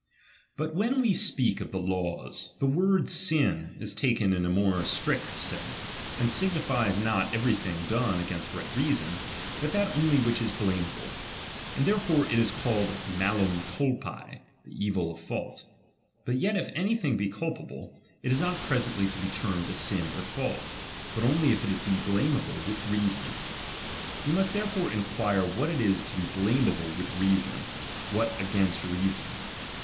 But when we speak of the laws, the word I 196 DOMINION. CHAP. XIV. sin is taken in a more strict sense, and signifies thb JefloV ^^^ every thing done against right reason, but that . iiidonoi'iin. Qiily wbich IS blame able ; and therefore it is called malum culpa, the evil of fault. But yet if any thing be culpable, it is not presently to be termed a sin or J'auli ; but only if it be blameable with reason. We must therefore enquire what it is to be blameahle with reason, what against reason.